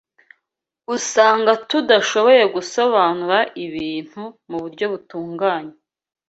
usanga tudashoboye gusobanura ibintu mu buryo butunganye